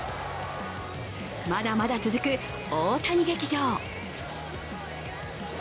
まだまだ続く大谷劇場。